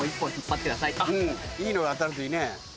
いいのが当たるといいね。